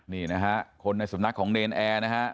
นี่นะฮะคนในสำนักของเนรนแอร์นะฮะ